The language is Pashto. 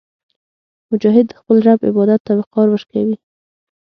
مجاهد د خپل رب عبادت ته وقار ورکوي.